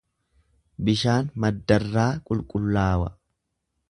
Bishaan maddarraa qulqullaawa.